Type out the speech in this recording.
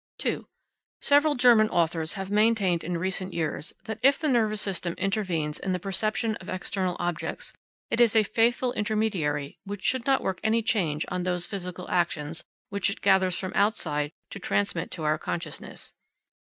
2. Several German authors have maintained in recent years, that if the nervous system intervenes in the perception of external objects, it is a faithful intermediary which should not work any change on those physical actions which it gathers from outside to transmit to our consciousness.